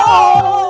kamu yang biru